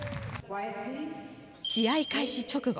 試合開始直後